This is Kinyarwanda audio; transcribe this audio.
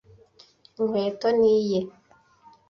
Inkweto ni iye.